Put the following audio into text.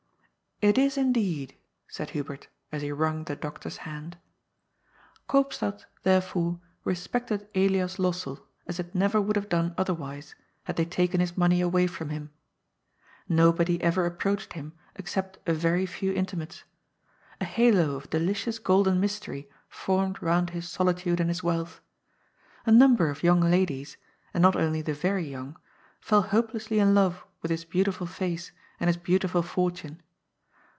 " It is indeed," said Hubert, as he wrung the doctor's hand. Koopstad, therefore, respected Elias Lossell as it never would have done otherwise, had they taken his money away from him. Nobody ever approached him, except a very few intimates. A halo of delicious golden mystery formed round his solitude and his wealth. A number of young ladies, and not only the very young, fell hopelessly in love with his beautiful face and his beautiful fortune.